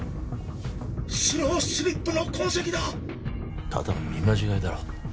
スロースリップの痕跡だただの見間違いだろ